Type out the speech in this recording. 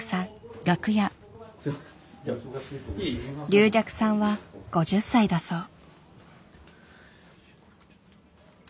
柳雀さんは５０歳だそう。